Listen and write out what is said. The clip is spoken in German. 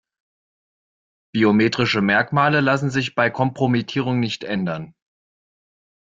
Biometrische Merkmale lassen sich bei Kompromittierung nicht ändern.